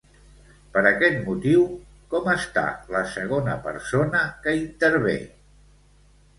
Per aquest motiu, com està la segona persona que intervé?